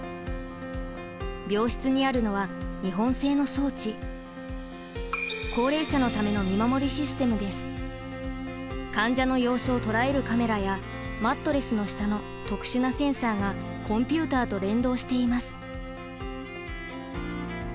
病室にあるのは日本製の装置高齢者のための患者の様子を捉えるカメラやマットレスの下の特殊なセンサーがコンピューターと連動しています。